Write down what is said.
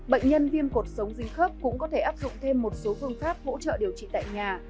bệnh nhân viêm cột sống dinh khớp cũng có thể áp dụng thêm một số phương pháp hỗ trợ điều trị tại nhà